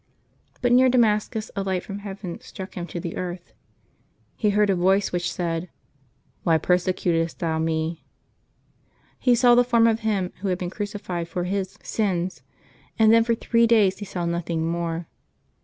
But near Damascus a light from heaven struck him to the earth. He heard a voice which said, "Why persecutest thou Me?" He saw the form of Him Who had been crucified for his 234 LIVES OF THE SAINTS {Juir i sins, and then for three days he saw nothing more.